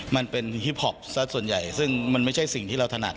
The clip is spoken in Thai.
มันเป็นฮิปพอปสักส่วนใหญ่ซึ่งมันไม่ใช่สิ่งที่เราถนัด